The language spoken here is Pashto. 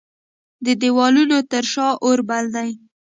د دیوالونو تر شا اوربل دی